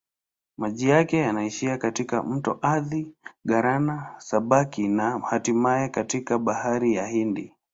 Maji yake yanaishia katika mto Athi-Galana-Sabaki na hatimaye katika Bahari ya Hindi.